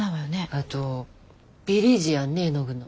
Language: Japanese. あとビリジアンね絵の具の。